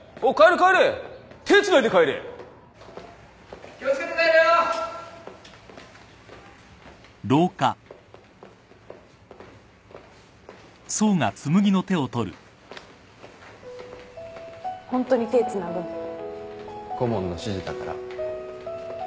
顧問の指示だから。